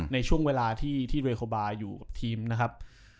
ในช่วงเวลาที่เรโคบาอยู่กับทีมนะครับ